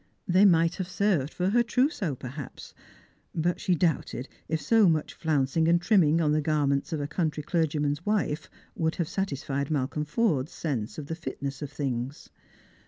They might have served for her trousseau perhaps, but she doubted if so much flouncing and trimming on the garments of a country clergyman's wife would have satisfied Malcolm Forde's sense of the fitness of things.